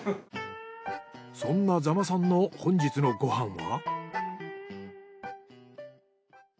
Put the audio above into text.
そんな座間さんの本日のご飯は。